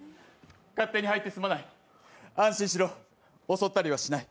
勝手に入ってすまない、安心しろ、襲ったりはしない。